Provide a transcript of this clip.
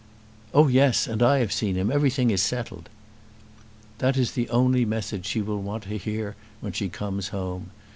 "Oh yes; and I have seen him. Everything is settled." "That is the only message she will want to hear when she comes home.